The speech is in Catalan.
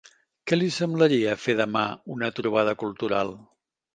Què li semblaria fer demà una trobada cultural?